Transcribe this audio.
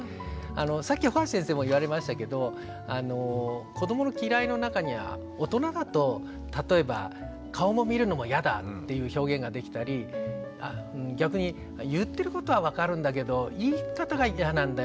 さっき帆足先生も言われましたけど子どもの「嫌い」の中には大人だと例えば「顔も見るのも嫌だ」っていう表現ができたり逆に「言ってることは分かるんだけど言い方が嫌なんだよね」